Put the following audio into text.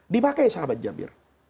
dipakai sahabat jabir